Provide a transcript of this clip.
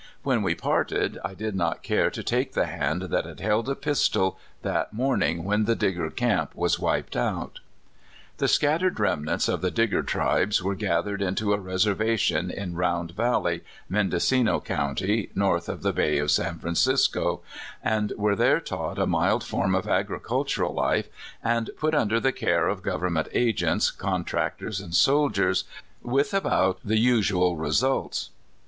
When we parted, I did not care to take the hand that had held a pistol that morning when the Digger camp was " wiped out." The scattered remnants of the Digger tribes were gathered into a reservation in Round Valley, Mendocino County, north of the Bay of San Fran cisco, and were there taught a mild form of agri cultural life, and put under the care of govern ment agents, contractors, and soldiers, with about the usual results.